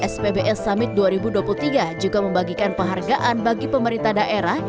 spbs summit dua ribu dua puluh tiga juga membagikan penghargaan bagi pemerintah daerah